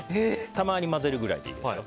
たまに混ぜるくらいでいいですよ。